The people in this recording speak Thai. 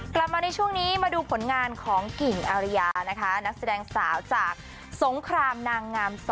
กลับมาในช่วงนี้มาดูผลงานของกิ่งอารยานะคะนักแสดงสาวจากสงครามนางงาม๒